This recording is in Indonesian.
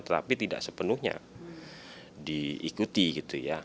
tetapi tidak sepenuhnya diikuti gitu ya